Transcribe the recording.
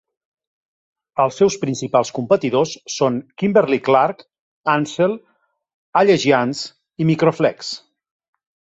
Els seus principals competidors són Kimberly-Clark, Ansell, Allegiance i Microflex.